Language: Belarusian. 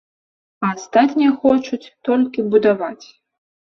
А астатнія хочуць толькі будаваць.